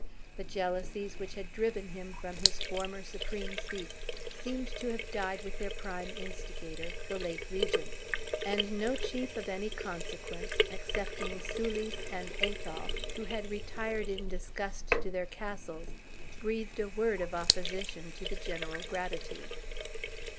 The jealousies which had driven him from his former supreme seat, seemed to have died with their prime instigator, the late regent; and no chief of any consequence, excepting Soulis and Athol, who had retired in disgust to their castles, breathed a word of opposition to the general gratitude.